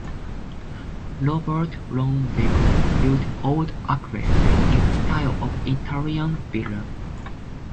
Robert Low Bacon built 'Old Acres' in the style of an Italian villa.